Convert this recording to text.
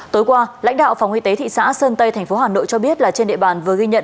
tối qua lãnh đạo phòng y tế thị xã sơn tây thành phố hà nội cho biết là trên địa bàn vừa ghi nhận